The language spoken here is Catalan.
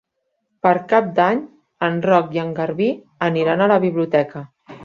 Per Cap d'Any en Roc i en Garbí aniran a la biblioteca.